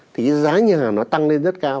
thì giá nhà hàng nó tăng lên rất cao